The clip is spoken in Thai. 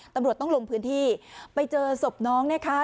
ตำรวจต้องลงพื้นที่ไปเจอศพน้องนะคะ